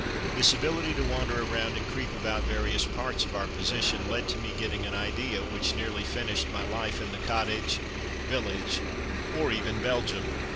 This ability to wander around and creep about various parts of our position, led to my getting an idea, which nearly finished my life in the cottage, village, or even Belgium.